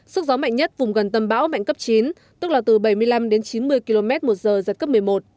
sức gió mạnh nhất vùng gần tâm bão mạnh cấp chín tức là từ bảy mươi năm đến chín mươi km một giờ giật cấp một mươi một